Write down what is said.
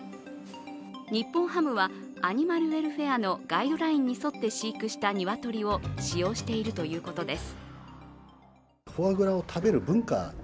日本ハムはアニマルウェルフェアのガイドラインに沿って飼育した鶏を使用しているということです。